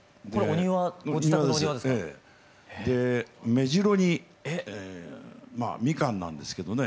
メジロにみかんなんですけどね。